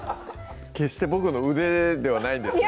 決してボクの腕ではないんですね